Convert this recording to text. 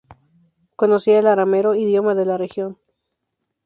Conocía el arameo, idioma de la región.